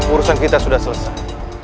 urusan kita sudah selesai